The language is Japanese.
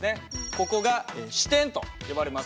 ここが支点と呼ばれます。